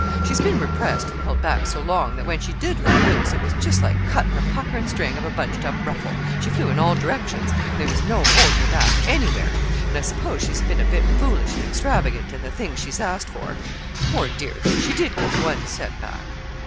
She's been repressed and held back so long, that when she did let loose, it was just like cutting the puckering string of a bunched up ruffle—she flew in all directions, and there was no holding her back anywhere; and I suppose she has been a bit foolish and extravagant in the things she's asked for. Poor dear, though, she did get one setback."